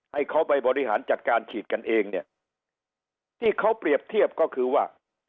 ให้เขาไปบริหารจัดการฉีดกันเองเนี่ยที่เขาเปรียบเทียบก็คือว่า